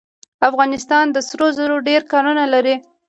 افغانستان د سرو زرو ډیر کانونه لري.